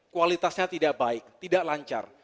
kualitasnya tidak baik tidak lancar